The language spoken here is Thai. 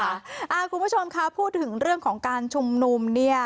คุณผู้ชมคะพูดถึงเรื่องของการชุมนุมเนี่ย